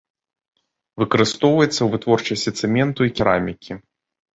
Выкарыстоўваецца ў вытворчасці цэменту і керамікі.